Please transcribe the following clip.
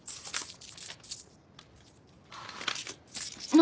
何？